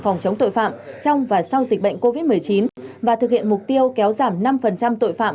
phòng chống tội phạm trong và sau dịch bệnh covid một mươi chín và thực hiện mục tiêu kéo giảm năm tội phạm